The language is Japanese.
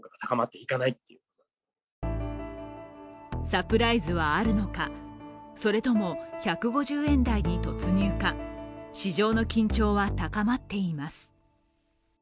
サプライズはあるのか、それとも１５０円台に突入か、市場の緊張は高まっています。